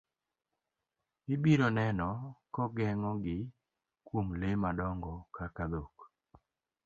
Ibiro neno kogeng'o gi kuom le madongo kaka dhok.